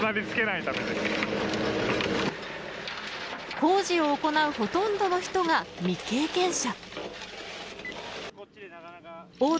工事を行うほとんどの人が未経験者。